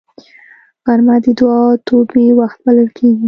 غرمه د دعا او توبې وخت بلل کېږي